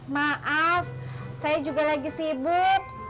maaf saya juga lagi sibuk